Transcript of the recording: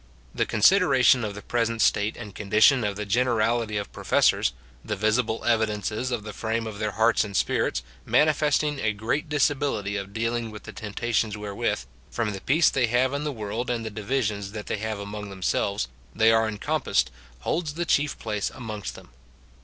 Tlie consideration of the present state and condition of the generality of professors, the visible evidences of the frame of their hearts and spirits, manifesting a great disability of dealing with the temptations wherewith, from the peace they have in the world and the divisions tliat they have among themselves, they are encompassed, holds the chief place amongst them.